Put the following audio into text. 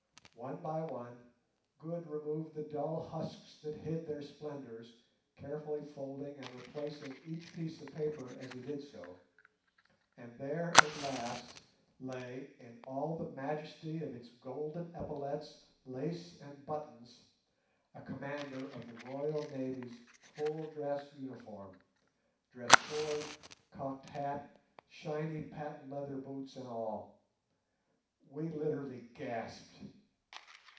One by one Good removed the dull husks that hid their splendours, carefully folding and replacing each piece of paper as he did so; and there at last lay, in all the majesty of its golden epaulettes, lace, and buttons, a Commander of the Royal Navy's full dress uniform—dress sword, cocked hat, shiny patent leather boots and all. We literally gasped.